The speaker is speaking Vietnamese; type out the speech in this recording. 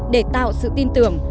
để tạo sự tin tưởng